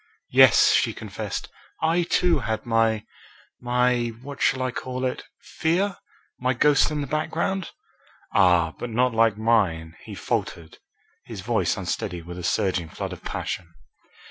"Yes," she confessed, "I, too, had my my what shall I call it fear? my ghost in the background?" "Ah! but not like mine," he faltered, his voice unsteady with a surging flood of passion.